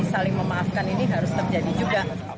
saling memaafkan ini harus terjadi juga